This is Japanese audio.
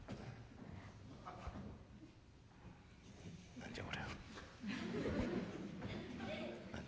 何じゃこりゃ。